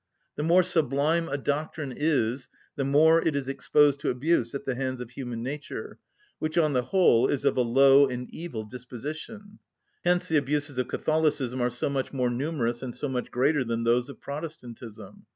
The more sublime a doctrine is, the more it is exposed to abuse at the hands of human nature, which, on the whole, is of a low and evil disposition: hence the abuses of Catholicism are so much more numerous and so much greater than those of Protestantism.